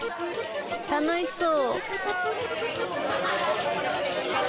楽しそう。